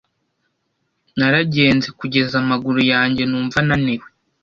Naragenze kugeza amaguru yanjye numva ananiwe.